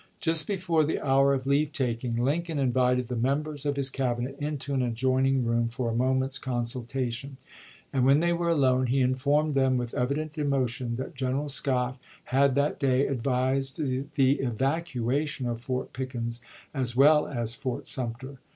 Just before the hour of leave taking, Lincoln invited the members of his Cabinet into an adjoining room for a moment's consultation ; and when they were alone he informed them, with evident emotion, that General Scott had that day advised the evacuation of Fort Pickens as well as Fort Sumter.